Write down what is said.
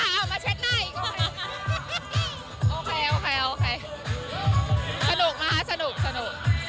สนุกนะคะสนุกสนุก